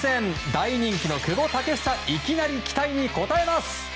大人気の久保建英いきなり期待に応えます。